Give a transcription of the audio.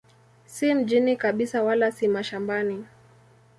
Si mjini kabisa wala si mashambani.